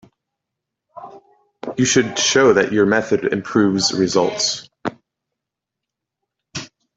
You should show that your method improves results.